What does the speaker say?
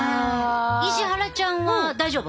石原ちゃんは大丈夫？